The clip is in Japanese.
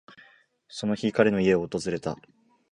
その日、彼の家を訪れた。